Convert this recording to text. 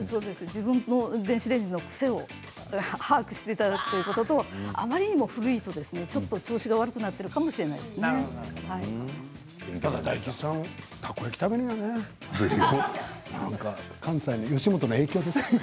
自分の電子レンジの癖を把握していただくこととあまりにも古いとちょっと調子が悪くなっているただ大吉さん